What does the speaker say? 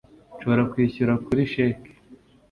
nshobora kwishyura kuri cheque